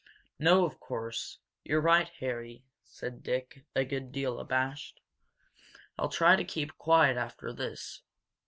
"No, of course not. You're right, Harry," said Dick, a good deal abashed. "I'll try to keep quiet after this."